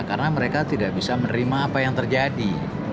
karena mereka tidak bisa menerima apa yang terjadi